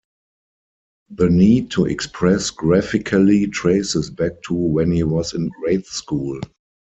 The need to express graphically traces back to when he was in grade school.